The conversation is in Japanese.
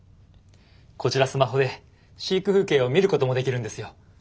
こちらスマホで飼育風景を見ることもできるんですよ。